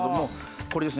これですね